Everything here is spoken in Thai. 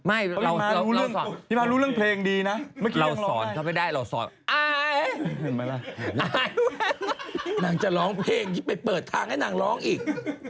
อายมันก็จะร้องเพลงไปเปิดทางให้นางร้องอีก